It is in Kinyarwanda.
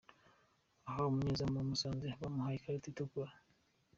Aha umunyezamu wa musanze bamuhaye ikarita itukura